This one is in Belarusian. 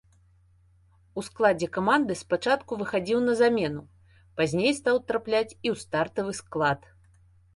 У складзе каманды спачатку выхадзіў на замену, пазней стаў трапляць і ў стартавы склад.